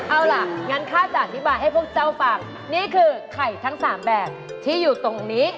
เอาล่ะงั้นข้าจะอธิบายให้พวกเจ้าฟังนี่คือไข่ทั้ง๓แบบที่อยู่ตรงนี้